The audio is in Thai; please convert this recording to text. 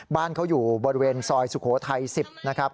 บ้านเขาอยู่บริเวณซอยสุโขทัย๑๐นะครับ